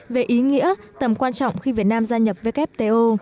về ý nghĩa tầm quan trọng khi việt nam gia nhập wto